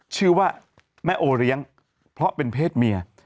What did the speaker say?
ชื่อว่าแม่โอเลี้ยงเพราะเป็นเพศเมีย